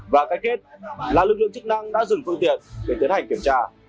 và cái kết là lực lượng chức năng đã dừng phương tiện để tiến hành kiểm tra